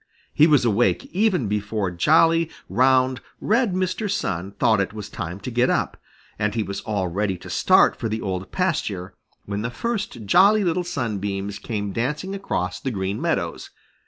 He was awake even before jolly, round, red Mr. Sun thought it was time to get up, and he was all ready to start for the Old Pasture when the first Jolly Little Sunbeams came dancing across the Green Meadows.